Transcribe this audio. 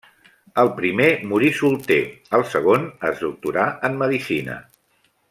El primer morí solter, el segon es doctorà en medicina.